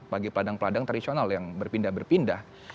bagi peladang peladang tradisional yang berpindah berpindah